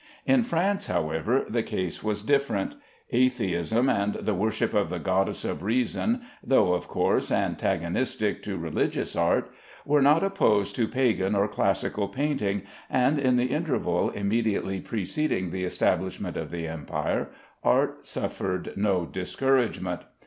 In France, however, the case was different. Atheism and the worship of the goddess of Reason, though, of course, antagonistic to religious art, were not opposed to pagan or classic painting, and in the interval immediately preceding the establishment of the Empire, art suffered no discouragement.